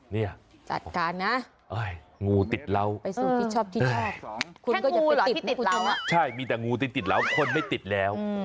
นี่จัดการนะไปสู่ที่ชอบคุณก็อย่าไปติดแล้วอ่ะใช่มีแต่งูติดแล้วคนไม่ติดแล้ว